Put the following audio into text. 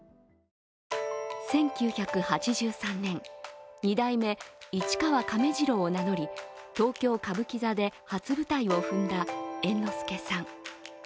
１９８３年、二代目市川亀治郎を名乗り東京・歌舞伎座で初舞台を踏んだ猿之助さん。